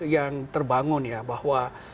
yang terbangun ya bahwa